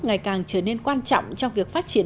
ngày càng trở nên quan trọng trong việc phát triển